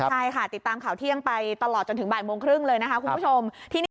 ใช่ค่ะติดตามข่าวเที่ยงไปตลอดจนถึงบ่ายโมงครึ่งเลยนะคะคุณผู้ชม